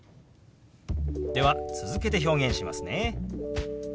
では続けて表現しますね。